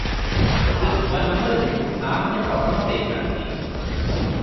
ଶେଯ ଛୁଆ ନାମରେ ବି ମାମାନେ ବଟମ ଦେଇଥାନ୍ତି ।